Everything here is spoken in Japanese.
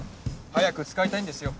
早く使いたいんですよ